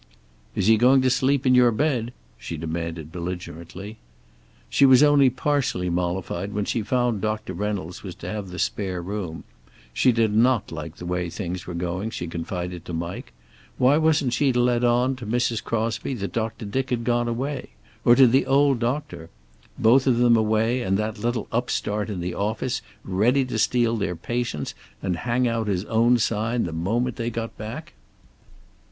"Is he going to sleep in your bed?" she demanded belligerently. She was only partially mollified when she found Doctor Reynolds was to have the spare room. She did not like the way things were going, she confided to Mike. Why wasn't she to let on to Mrs. Crosby that Doctor Dick had gone away? Or to the old doctor? Both of them away, and that little upstart in the office ready to steal their patients and hang out his own sign the moment they got back!